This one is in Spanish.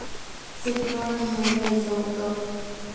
Se ignora el nombre de su autor.